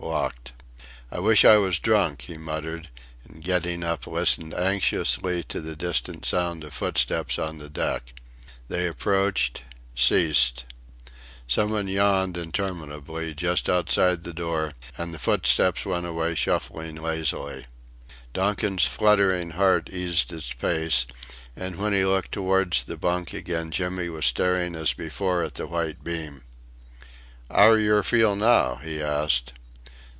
Locked. "I wish I was drunk," he muttered and getting up listened anxiously to the distant sound of footsteps on the deck. They approached ceased. Some one yawned interminably just outside the door, and the footsteps went away shuffling lazily. Donkin's fluttering heart eased its pace, and when he looked towards the bunk again Jimmy was staring as before at the white beam. "'Ow d'yer feel now?" he asked.